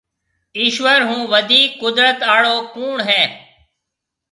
ايشوَر هون وڌيڪ قُدرت آݪو ڪوُڻ هيَ۔